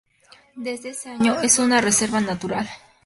Desde ese año, es una reserva natural.